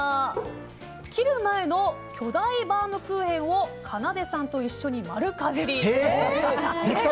切る前の巨大バウムクーヘンをかなでさんと一緒に丸かじり。